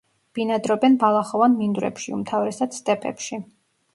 ბინადრობენ ბალახოვან მინდვრებში, უმთავრესად სტეპებში.